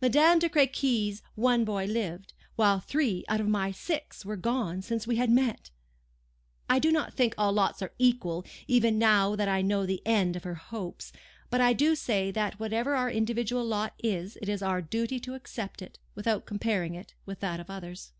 Madame de Crequy's one boy lived; while three out of my six were gone since we had met! I do not think all lots are equal, even now that I know the end of her hopes; but I do say that whatever our individual lot is, it is our duty to accept it, without comparing it with that of others.